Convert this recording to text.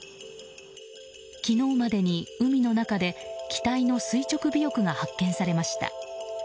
昨日までに海の中で機体の垂直尾翼が発見されました。